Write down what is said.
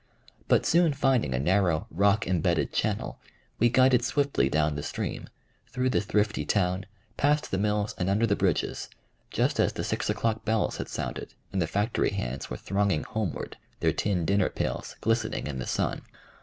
But soon finding a narrow, rock imbedded channel, we glided swiftly down the stream, through the thrifty town, past the mills and under the bridges, just as the six o'clock bells had sounded and the factory hands were thronging homeward, their tin dinner pails glistening in the sun.